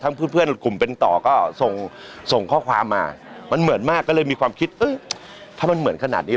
เพื่อนเพื่อนกลุ่มเป็นต่อก็ส่งส่งข้อความมามันเหมือนมากก็เลยมีความคิดถ้ามันเหมือนขนาดนี้